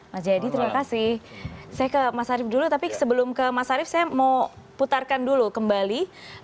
mas jayadi terima kasih saya ke mas arief dulu tapi sebelum ke mas arief saya mau putarkan dulu kembali